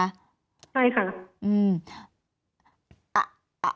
ใช่ค่ะ